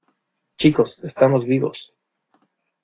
chicos, estamos vivos.